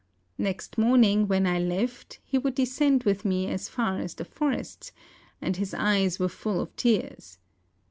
Next morning, when I left, he would descend with me as far as the forests, and his eyes were full of tears.